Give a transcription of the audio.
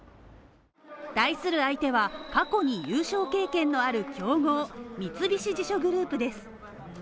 対する相手は過去に優勝経験のある強豪三菱地所グループです。